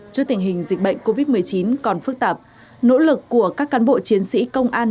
trước tình hình dịch bệnh covid một mươi chín còn phức tạp nỗ lực của các cán bộ chiến sĩ công an